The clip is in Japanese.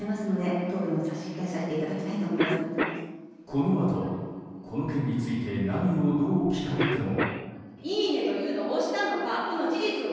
このあと、この件について何をどう聞かれても。